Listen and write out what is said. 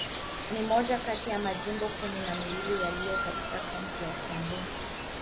Ni moja kati ya majimbo kumi na mawili yaliyo katika kaunti ya Kiambu.